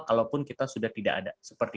kalaupun kita sudah tidak ada seperti